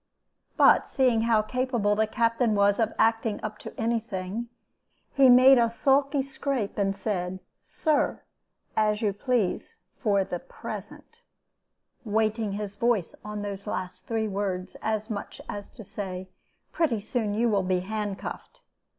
But seeing how capable the Captain was of acting up to any thing, he made a sulky scrape, and said, 'Sir, as you please for the present,' weighting his voice on those last three words, as much as to say, 'Pretty soon you will be handcuffed.'